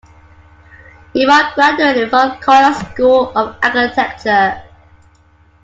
He bard graduated from Cornell's School of Architecture.